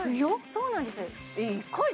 そうなんです